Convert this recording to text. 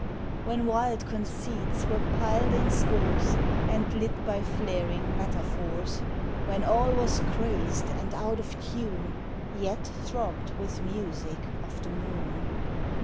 When wild conceits were piled in scores, And lit by flaring metaphors, When all was crazed and out of tune, — Yet throbbed with music of the moon.